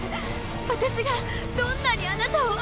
私がどんなにあなたを愛して。